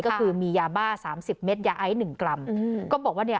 ก็คือมียาบ้าสามสิบเม็ดยาไอซ์หนึ่งกรัมก็บอกว่าเนี่ย